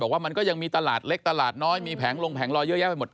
ว่ามันก็ยังมีตลาดเล็กตลาดน้อยมีแผงลงแผงลอยเยอะแยะไปหมด